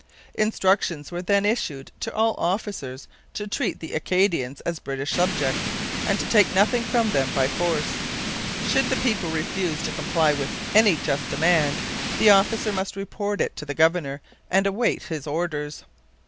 Instructions were then issued to all officers to treat the Acadians as British subjects, and to take nothing from them by force. Should the people refuse to comply with any just demand, the officer must report it to the governor and await his orders.